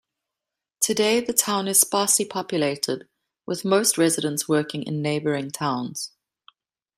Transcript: Today the town is sparsely populated, with most residents working in neighboring towns.